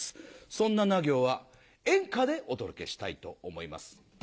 そんな「な行」は演歌でお届けしたいと思います。